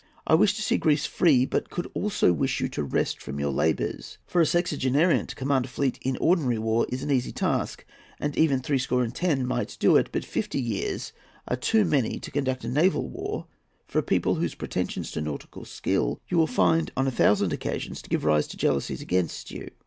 I wish to see Greece free; but could also wish you to rest from your labours. For a sexagenarian to command a fleet in ordinary war is an easy task, and even threescore and ten might do it; but fifty years are too many to conduct a naval war for a people whose pretensions to nautical skill you will find on a thousand occasions to give rise to jealousies against you.